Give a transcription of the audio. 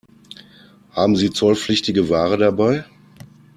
Haben Sie zollpflichtige Ware dabei?